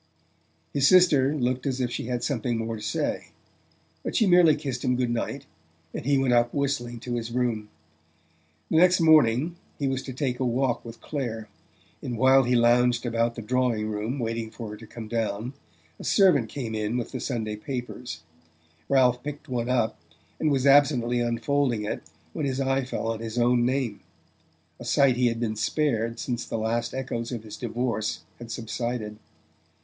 His sister looked as if she had something more to say; but she merely kissed him good night, and he went up whistling to his room. The next morning he was to take a walk with Clare, and while he lounged about the drawing room, waiting for her to come down, a servant came in with the Sunday papers. Ralph picked one up, and was absently unfolding it when his eye fell on his own name: a sight he had been spared since the last echoes of his divorce had subsided.